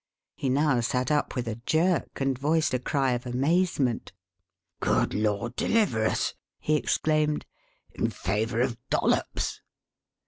He now sat up with a jerk and voiced a cry of amazement. "Good Lord, deliver us!" he exclaimed. "In favour of Dollops!"